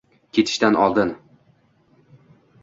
Ketishdan oldin